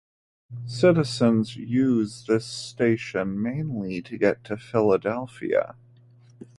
Citizens use this station mainly to get to Philadelphia.